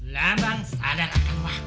lambang sadar akal waktu